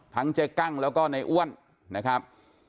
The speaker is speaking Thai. เจ๊กั้งแล้วก็ในอ้วนนะครับ